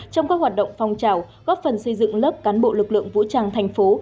trong các hoạt động phong trào góp phần xây dựng lớp cán bộ lực lượng vũ trang thành phố